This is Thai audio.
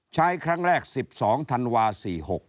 ใช้ครั้งแรก๑๒ธันวา๔๖